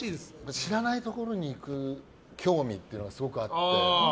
知らないところに行く興味というのがすごくあって。